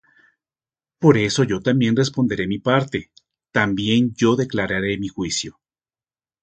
Por eso yo también responderé mi parte, También yo declararé mi juicio.